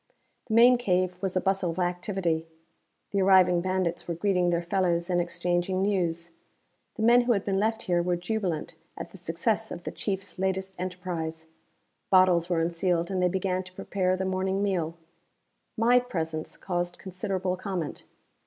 The main cave was a bustle of activity. The arriving bandits were greeting their fellows and exchanging news. The men who had been left here were jubilant at the success of the Chief's latest enterprise. Bottles were unsealed and they began to prepare the morning meal. My presence caused considerable comment.